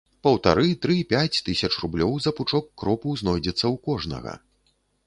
Паўтары-тры-пяць тысяч рублёў за пучок кропу знойдзецца ў кожнага.